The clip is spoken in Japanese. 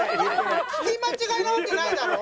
聞き間違いなわけないだろ。